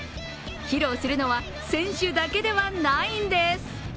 披露するのは選手だけではないんです。